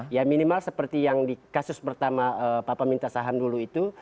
ya minimal seperti yang di kasus pertama papa minta saham dulu itu